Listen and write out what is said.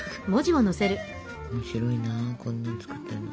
面白いなこんなん作ってるの。